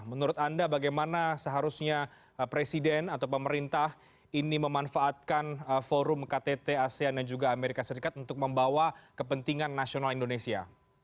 menurut anda bagaimana seharusnya presiden atau pemerintah ini memanfaatkan forum ktt asean dan juga amerika serikat untuk membawa kepentingan nasional indonesia